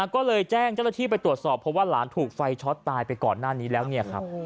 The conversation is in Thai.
ก็เลยแจ้งเจ้าหน้าที่ไปตรวจสอบเพราะว่าหลานถูกไฟช็อตตายไปก่อนหน้านี้แล้วเนี่ยครับ